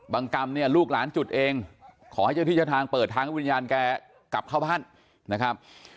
กรรมเนี่ยลูกหลานจุดเองขอให้เจ้าที่เจ้าทางเปิดทางให้วิญญาณแกกลับเข้าบ้านนะครับ